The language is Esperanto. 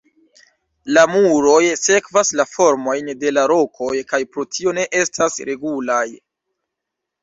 La muroj sekvas la formojn de la rokoj kaj pro tio ne estas regulaj.